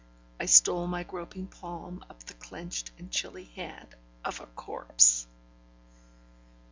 I stole my groping palm upon the clenched and chilly hand of a corpse!